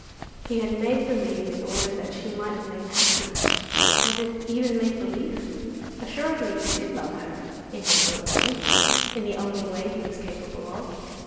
He had made believe in order that she might remain happy. Was it even make belief? Assuredly he did love her in his own way, in the only way he was capable of.